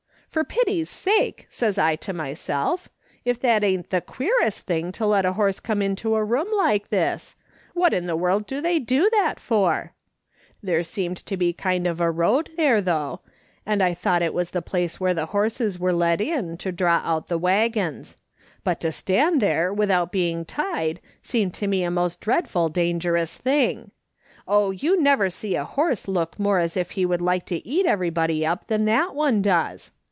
' For pity's sake,' says I to myself, ' if that ain't the queerest thing to let a horse come into a room like this ! What in the world do they do that for ?' There seemed to be a kind of a road there, though, and I thought it was the place where the horses were let in to draw out the waggons ; but to stand there without being tied seemed to me a most dreadful dangerous thing. Oh, you never see a horse look more as if he would like to eat everybody up than that one does